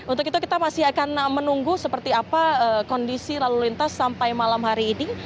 untuk itu kita masih akan menunggu seperti apa kondisi lalu lintas sampai malam hari ini